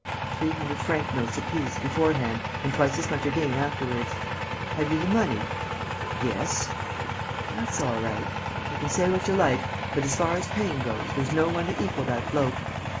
"Three hundred franc notes apiece, beforehand, and twice as much again afterwards." "Have you the money?" "Yes." "That's all right. You can say what you like, but, as far as paying goes, there's no one to equal that bloke."